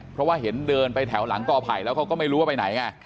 เพราะว่าเห็นเดินไปแถวหลังกอไผ่แล้วเขาก็ไม่รู้ว่าไปไหนไง